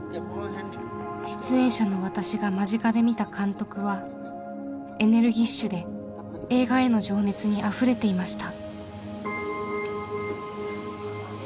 出演者の私が間近で見た監督はエネルギッシュで映画への情熱にあふれていました。